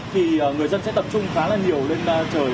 thì người dân sẽ tập trung khá là nhiều lên trời